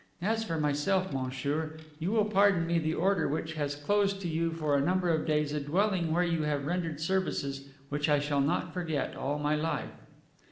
As for myself, monsieur, you will pardon me the order which has closed to you for a number of days a dwelling where you have rendered services which I shall not forget all my life."